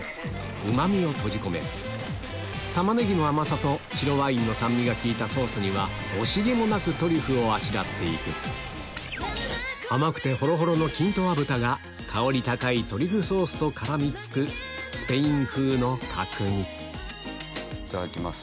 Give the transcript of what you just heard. うまみを閉じ込めるタマネギの甘さと白ワインの酸味が効いたソースには惜しげもなくトリュフをあしらって行く甘くてほろほろのキントア豚が香り高いトリュフソースと絡み付くスペイン風の角煮いただきます。